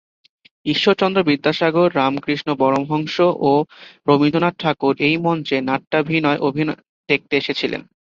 ঈশ্বরচন্দ্র বিদ্যাসাগর, রামকৃষ্ণ পরমহংস ও রবীন্দ্রনাথ ঠাকুর এই মঞ্চে নাট্যাভিনয় দেখতে এসেছিলেন।